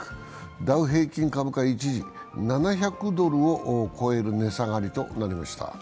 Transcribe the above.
ダウ平均株価は一時７００ドルを超える値下がりとなりました。